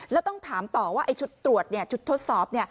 แล้วต้องถามต่อว่าไอ้ชุดตรวจชุดทดสอบ